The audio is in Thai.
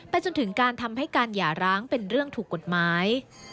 จนถึงการทำให้การหย่าร้างเป็นเรื่องถูกกฎหมาย